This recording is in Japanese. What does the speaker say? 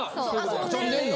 遊んでんの？